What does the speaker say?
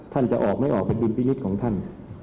จะออกไม่ออกเป็นดุลพินิษฐ์ของท่าน